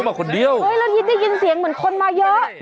เฮ้ยแล้วทิศได้ยินเสียงเหมือนคนมาเยอะ